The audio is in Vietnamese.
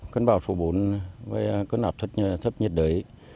cơn bão số bốn với cơn lọt thấp nhiệt đới